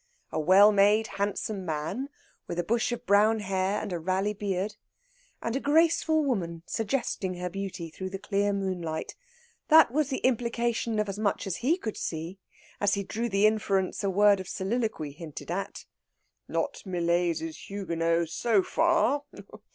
A well made, handsome man, with a bush of brown hair and a Raleigh beard, and a graceful woman suggesting her beauty through the clear moonlight that was the implication of as much as he could see, as he drew the inference a word of soliloquy hinted at, "Not Millais' Huguenot, so far!"